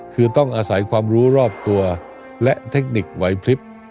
คือต้องอาศัยความรู้รอบตัวและเทคนิคไหวพลิบ